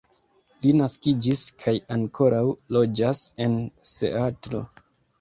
Li naskiĝis kaj ankoraŭ loĝas en Seatlo.